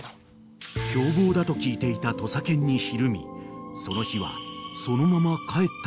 ［凶暴だと聞いていた土佐犬にひるみその日は］